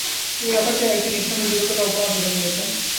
পুরো ব্যাপারটাই এক জন নিঃসঙ্গ যুবকের কল্পনা ধরে নিয়েছেন।